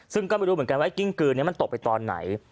ซึ่งก็ไม่รู้เหมือนกันว่ากิ้งกลืนนี้มันตกไปตอนไหน